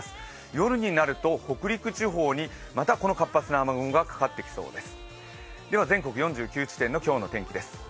夜になると北陸地方にまたこの活発な雨雲がかかってきそうです。